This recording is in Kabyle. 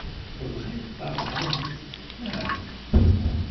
Tebɣiḍ taɣdemt, naɣ?